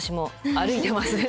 歩いてます。